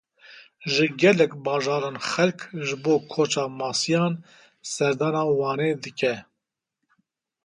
Ji gelek bajaran xelk ji bo koça masiyan serdana Wanê dike.